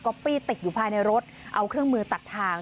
ปี้ติดอยู่ภายในรถเอาเครื่องมือตัดทาง